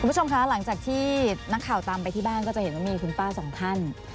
คุณผู้ชมคะหลังจากที่นักข่าวตามไปที่บ้านก็จะเห็นว่ามีคุณป้าสองท่าน